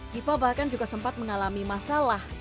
diva bahkan juga sempat mengalami masalah